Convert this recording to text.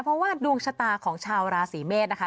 เพราะว่าดวงชะตาของชาวราศีเมษนะคะ